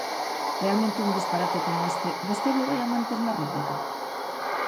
Realmente un disparate como este, ¿vostede o vai manter na réplica?